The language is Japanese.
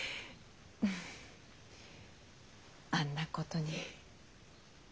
あんなことに。